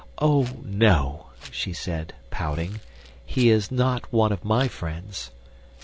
"Oh, no," she said, pouting, "he is not one of my friends."